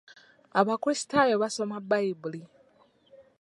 Abakrisitaayo basoma bbayibuli.